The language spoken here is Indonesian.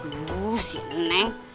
aduh sini neng